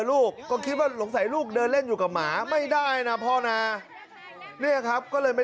ลูกก็คิดว่าสงสัยลูกเดินเล่นอยู่กับหมาไม่ได้นะพ่อนะเนี่ยครับก็เลยไม่